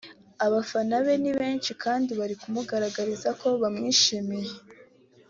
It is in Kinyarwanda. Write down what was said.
Abafana be ni benshi kandi bari kumugaragariza ko bamwishimiye